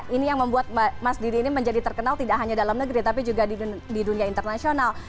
ini yang membuat mas didi ini menjadi terkenal tidak hanya dalam negeri tapi juga di dunia internasional